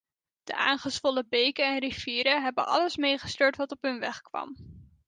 De aangezwollen beken en rivieren hebben alles meegesleurd wat op hun weg kwam.